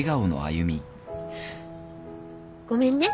ごめんね。